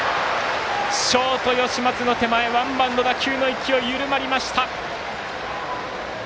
ショート、吉松の手前ワンバウンド打球の勢い、緩まりました。